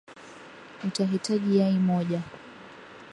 utahitaji yai moja